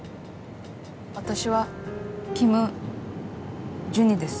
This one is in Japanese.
私はキム・ジュニです。